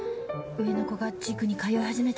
上の子が塾に通い始めたんで。